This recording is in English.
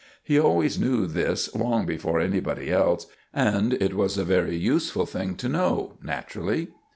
He always knew this long before anybody else, and it was a very useful thing to know, naturally.